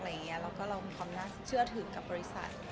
เรามีความเชื่อถือกับบริษัท